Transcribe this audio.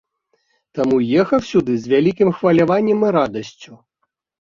Таму ехаў сюды з вялікім хваляваннем і радасцю.